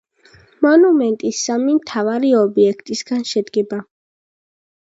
მონუმენტი სამი მთავარი ობიექტისაგან შედგება.